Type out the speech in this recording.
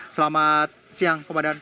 selamat siang komandan